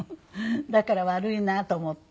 だから悪いなと思った。